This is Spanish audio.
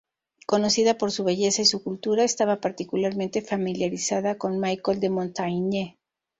Conocida por su belleza y su cultura, estaba particularmente familiarizada con Michel de Montaigne.